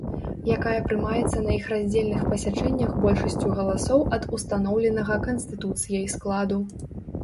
Якая прымаецца на іх раздзельных пасяджэннях большасцю галасоў ад устаноўленага Канстытуцыяй складу.